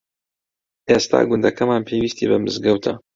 ئێستا گوندەکەمان پێویستی بە مزگەوتە.